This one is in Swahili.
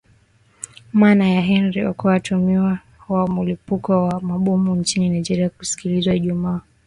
mana ya henry oka mtuhumiwa wa mulipuko wa mabomu nchini nigeria kusikilizwa ijumaa